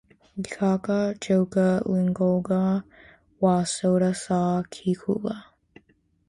W'ikakajhoka lungongo wa soda sa kichula.